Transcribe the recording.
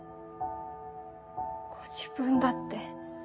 ご自分だって。